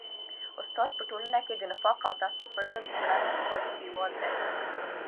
استاد په ټولنه کي د نفاق او تعصب پر ضد لومړنی دفاعي دیوال دی.